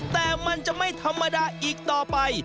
แต่มันจะไม่ธรรมดาอีกต่อไป